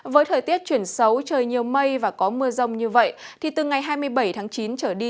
với thời tiết chuyển xấu trời nhiều mây và có mưa rông như vậy thì từ ngày hai mươi bảy tháng chín trở đi